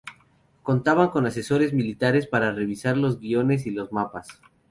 Contaban con asesores militares para revisar los guiones y los mapas.